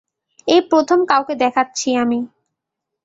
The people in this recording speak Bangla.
এই প্রথম কাউকে দেখাচ্ছি আমি।